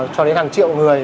cho đến hàng triệu người